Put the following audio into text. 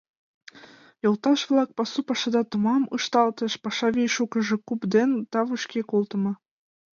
Йолташ-влак, пасу пашада томам ышталтеш, паша вий шукыжо куп ден тавышке колтымо.